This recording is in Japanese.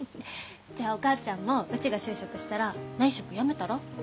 じゃあお母ちゃんもうちが就職したら内職やめたら？